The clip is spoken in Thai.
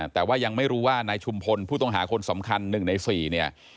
แต่ว่ายังไม่รู้ว่านายชุมพลผู้ต้องหาคนสำคัญ๑ใน๔เนี่ย